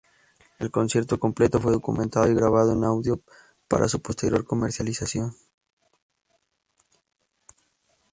El concierto completo fue documentado y grabado en audio, para su posterior comercialización.